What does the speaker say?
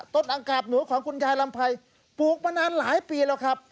ตังกาบหนูของคุณยายลำไพรปลูกมานานหลายปีแล้วครับ